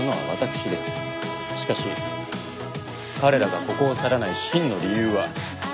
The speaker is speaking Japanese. しかし彼らがここを去らない真の理由は。